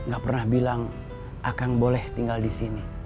gak pernah bilang akan boleh tinggal di sini